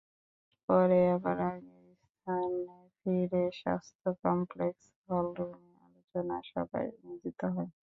পরে আবার আগের স্থানে ফিরে স্বাস্থ্য কমপ্লেক্স হলরুমে আলোচনা সভায় মিলিত হয়।